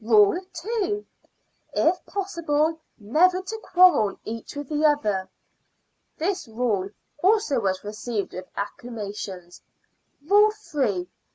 "Rule Two. If possible, never to quarrel each with the other." This rule also was received with acclamations. _"Rule Three.